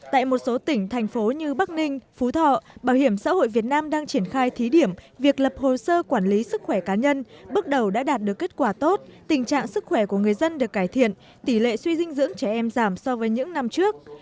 tại một số tỉnh thành phố như bắc ninh phú thọ bảo hiểm xã hội việt nam đang triển khai thí điểm việc lập hồ sơ quản lý sức khỏe cá nhân bước đầu đã đạt được kết quả tốt tình trạng sức khỏe của người dân được cải thiện tỷ lệ suy dinh dưỡng trẻ em giảm so với những năm trước